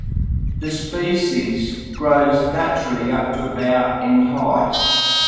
The species grows naturally up to about in height.